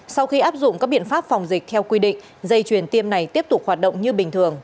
sau khi áp dụng các biện pháp phòng dịch theo quy định dây truyền tiêm này tiếp tục hoạt động như bình thường